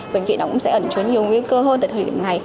bệnh viện nó cũng sẽ ẩn chứa nhiều nguy cơ hơn tại thời điểm này